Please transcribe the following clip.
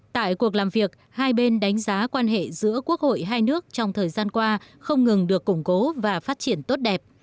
tại cuộc làm việc hai bên đánh giá quan hệ giữa quốc hội hai nước trong thời gian qua không ngừng được củng cố và phát triển tốt đẹp